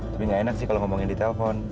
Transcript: tapi nggak enak sih kalau ngomongin di telpon